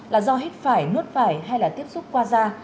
là do hít phải nuốt phải hay là tiếp xúc qua da